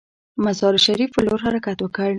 مزار شریف پر لور حرکت وکړ.